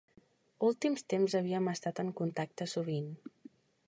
Últims temps havíem estat en contacte sovint.